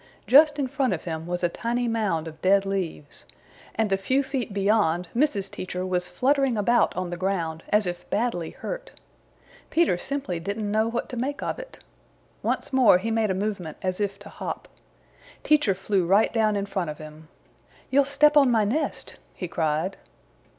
Just in front of him was a tiny mound of dead leaves, and a few feet beyond Mrs. Teacher was fluttering about on the ground as if badly hurt. Peter simply didn't know what to make of it. Once more he made a movement as if to hop. Teacher flew right down in front of him. "You'll step on my nest!" he cried.